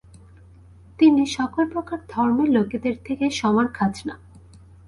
তিনি সকল প্রকার ধর্মের লোকেদের থেকে সমান খাজনা